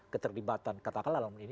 keterlibatan kata kalam ini